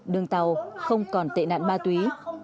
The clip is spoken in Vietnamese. đường tàu không còn tệ nạn ma túy